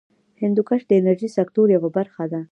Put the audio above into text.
هندوکش د انرژۍ سکتور یوه برخه ده.